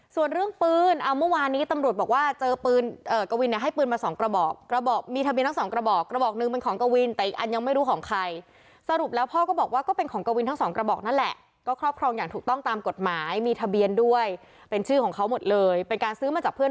ส่วนเรื่องปืนเอาเมื่อวานนี้ตำรวจบอกว่าเจอปืนกวินเนี่ยให้ปืนมาสองกระบอกกระบอกมีทะเบียนทั้งสองกระบอกกระบอกหนึ่งเป็นของกวินแต่อีกอันยังไม่รู้ของใครสรุปแล้วพ่อก็บอกว่าก็เป็นของกวินทั้งสองกระบอกนั่นแหละก็ครอบครองอย่างถูกต้องตามกฎหมายมีทะเบียนด้วยเป็นชื่อของเขาหมดเลยเป็นการซื้อมาจากเพื่อน